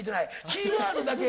キーワードだけ。